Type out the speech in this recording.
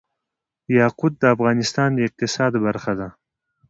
یاقوت د افغانستان د اقتصاد برخه ده.